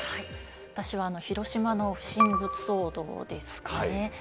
私は広島の不審物騒動ですかね。